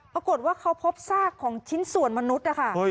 ปรากฏว่าเขาพบซากของชิ้นส่วนมนุษย์นะคะ